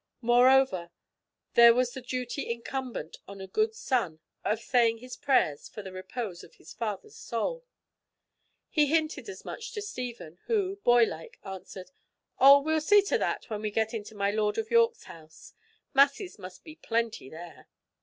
Moreover, there was the duty incumbent on a good son of saying his prayers for the repose of his father's soul. He hinted as much to Stephen, who, boy like, answered, "Oh, we'll see to that when we get into my Lord of York's house. Masses must be plenty there.